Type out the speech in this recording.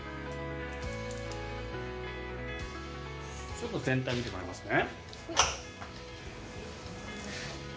ちょっと全体見てもらいますね。